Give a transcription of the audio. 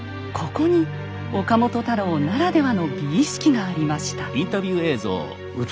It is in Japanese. ここに岡本太郎ならではの「美意識」がありました。